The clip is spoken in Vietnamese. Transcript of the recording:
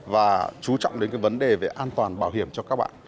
và chú trọng đến cái vấn đề về an toàn bảo hiểm cho các bạn